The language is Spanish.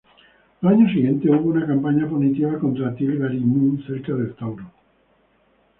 Al año siguiente hubo una campaña punitiva contra Til-Garimmu, cerca del Tauro.